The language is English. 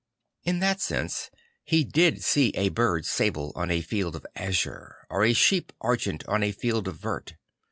In that sense he did see a bird sable on a field azure or a sheep argent on a field vert.